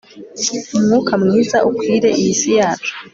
umwuka mwiza ukwire iyi si yacu